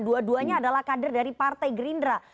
dua duanya adalah kader dari partai gerindra